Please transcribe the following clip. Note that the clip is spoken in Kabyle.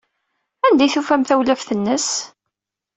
Anda ay tufam tawlaft-nnes?